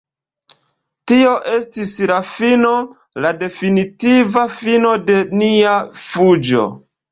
Tio estis la fino, la definitiva fino de nia fuĝo.